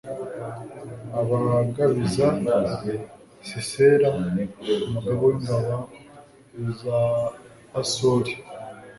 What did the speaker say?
abagabiza sisera umugaba w'ingabo za hasori